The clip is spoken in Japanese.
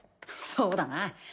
そうだな。